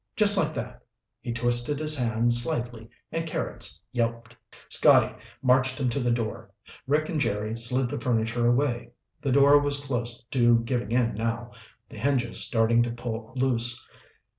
Just like that." He twisted his hand slightly and Carrots yelped. Scotty marched him to the door. Rick and Jerry slid the furniture away. The door was close to giving in now, the hinges starting to pull loose.